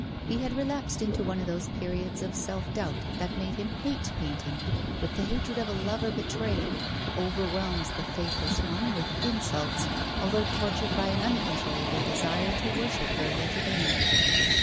He had relapsed into one of those periods of self doubt that made him hate painting, with the hatred of a lover betrayed, who overwhelms the faithless one with insults although tortured by an uncontrollable desire to worship her yet again.